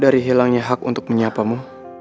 dari hilangnya hak untuk menyapamu